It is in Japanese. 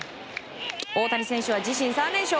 大谷選手は自身３連勝。